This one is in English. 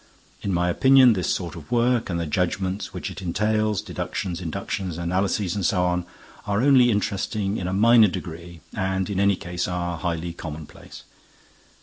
In my opinion, this sort of work and the judgments which it entails, deductions, inductions, analyses and so on, are only interesting in a minor degree and, in any case, are highly commonplace.